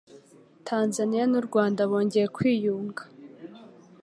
Tanzania n'u Rwanda bongeye kwiyunga